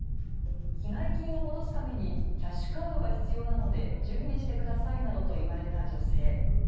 被害金を戻すためにキャッシュカードが必要なので準備してくださいなどと言われた女性。